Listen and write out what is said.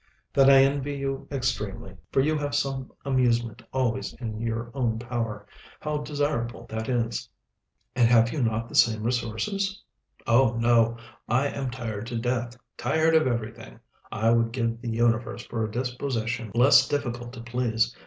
"Then I envy you extremely, for you have some amusement always in your own power. How desirable that is!" "And have you not the same resources?" "Oh no! I am tired to death! tired of everything! I would give the universe for a disposition less difficult to please.